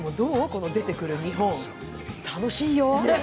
この出てくる日本、楽しいよ。